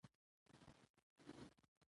تالابونه د افغان ماشومانو د لوبو یوه موضوع ده.